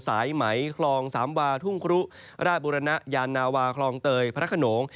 สายไหมคลองสามวาทุ่งครุราชบุรณยานาวาคลองเตยพระขนง